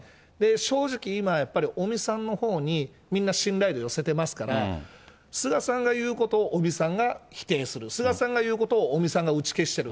正直今、やっぱり尾身さんのほうに、みんな信頼度寄せますから、菅さんが言うことを尾身さんが否定する、菅さんが言うことを尾身さんが打ち消してる。